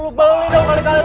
lu balik dong kali kali lu